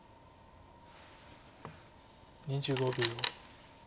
２５秒。